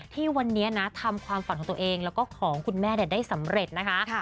ที่วันนี้นะทำความฝันของตัวเองแล้วก็ของคุณแม่ได้สำเร็จนะคะ